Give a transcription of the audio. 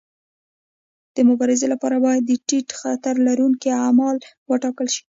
د مبارزې لپاره باید د ټیټ خطر لرونکي اعمال وټاکل شي.